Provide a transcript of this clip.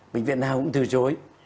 bệnh viện nào cũng từ chối